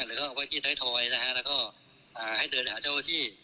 หรือวักที่ท้ายทอยนะฮะแล้วก็ให้เดินอาจารย์ที่